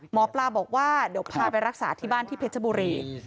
หมอปลาบอกว่าเดี๋ยวพาไปรักษาที่บ้านที่เพชรบุรี